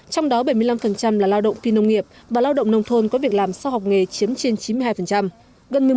trong đó bảy mươi năm là lao động phi nông nghiệp và lao động nông thôn có việc làm sau học nghề chiếm trên chín mươi hai